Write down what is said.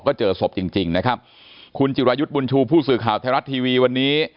ก็เจอศพจริงจริงนะครับคุณจิรายุทธ์บุญชูผู้สื่อข่าวไทยรัฐทีวีวันนี้